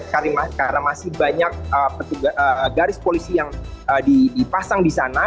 karena masih banyak garis polisi yang dipasang di sana